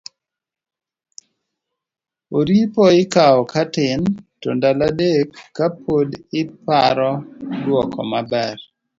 oripo ikaw katin to ndalo adek ka pod iparo dwoko maber,